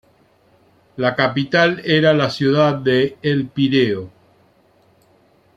La capital era la ciudad de El Pireo.